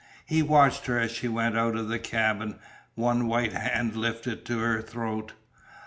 He watched her as she went out of the cabin, one white hand lifted to her throat.